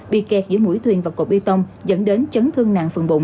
bị kẹt giữa mũi thuyền và cột bi tông dẫn đến chấn thương nặng phần bụng